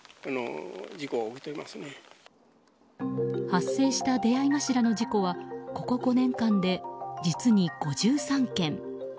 発生した出合い頭の事故はここ５年間で実に５３件。